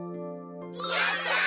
やった！